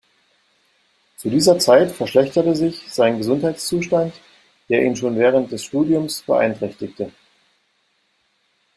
Zu dieser Zeit verschlechterte sich sein Gesundheitszustand, der ihn schon während des Studiums beeinträchtigte.